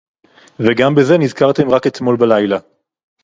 וגם בזה נזכרתם רק אתמול בלילה